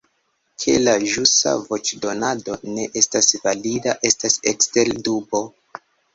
Ke la ĵusa voĉdonado ne estas valida, estas ekster dubo.